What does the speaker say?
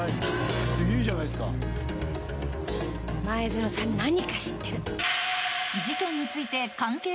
「前園さん何か知ってる」